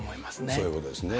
そういうことですね。